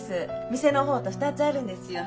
店の方と２つあるんですよ。